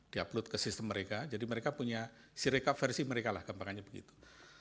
diupload ke sistem mereka jadi mereka punya si rekap versi mereka lah gampangnya begitu